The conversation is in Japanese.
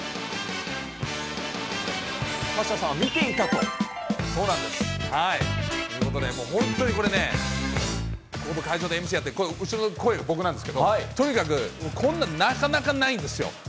サッシャさん、そうなんです。ということで、本当にこれね、僕、会場でＭＣやって、後ろの声、僕なんですけど、とにかくこんなのなかなかないんですよ。